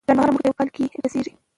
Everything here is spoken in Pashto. لنډمهاله موخې په یو کال کې رسیږي.